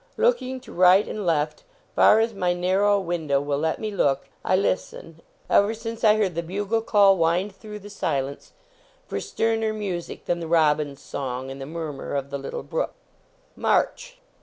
Looking to right and left, far as my narrow window will let me look, I listen, ever since I heard the bugle call wind through the silence, for .sterner music than the robin s song and the murmur of the lit tle brook. "March!"